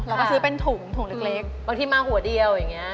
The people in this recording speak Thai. เราก็ซื้อเป็นถุงถุงเล็กบางทีมาหัวเดียวอย่างนี้